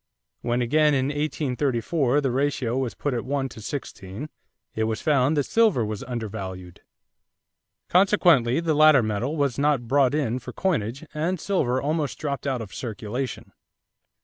When again in 1834 the ratio was put at one to sixteen, it was found that silver was undervalued. Consequently the latter metal was not brought in for coinage and silver almost dropped out of circulation.